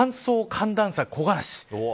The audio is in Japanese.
寒暖差、木枯らし。